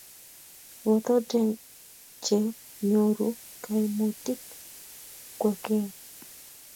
boto che nyoru kaimutik kwekeny